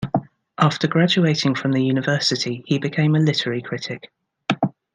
After graduating from the university, he became a literary critic.